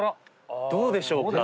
どうでしょうか？